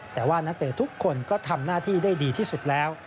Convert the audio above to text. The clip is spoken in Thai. แต่ว่านักเตะทุกคนก็ทำหน้าที่ได้ดีที่สุดแล้ว